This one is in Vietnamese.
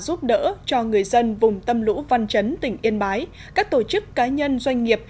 giúp đỡ cho người dân vùng tâm lũ văn chấn tỉnh yên bái các tổ chức cá nhân doanh nghiệp